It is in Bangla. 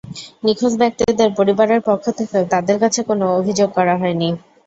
নিখোঁজ ব্যক্তিদের পরিবারের পক্ষ থেকেও তাঁদের কাছে কোনো অভিযোগ করা হয়নি।